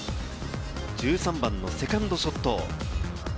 １３番のセカンドショット。